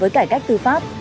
với cải cách tư pháp